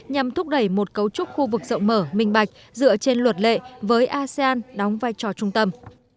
nhằm thúc đẩy một cấu trúc khu vực rộng mở minh bạch dựa trên luật lệ với asean đóng vai trò trung tâm